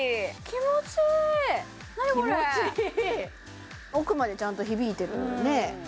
気持ちいい奥までちゃんと響いてるよね